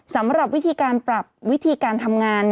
สำหรับวิธีการปรับวิธีการทำงาน